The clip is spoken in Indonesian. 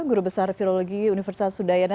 guru besar virologi universitas udayana